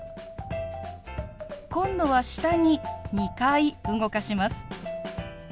今度は下に２回動かします。